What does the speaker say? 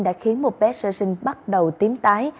đã khiến một bé sơ sinh bắt đầu tím tái